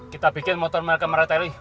kita bikin motor mereka meretali